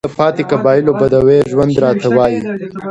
د پاتې قبايلو بدوى ژوند راته وايي،